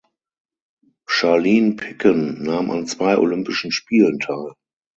Charline Picon nahm an zwei Olympischen Spielen teil.